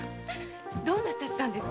どうなさったんです？